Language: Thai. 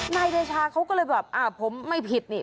นายเดชาเขาก็เลยแบบอ่าผมไม่ผิดนี่